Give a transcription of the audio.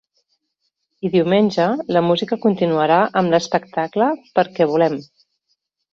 I diumenge la música continuarà amb l’espectacle Perquè volem!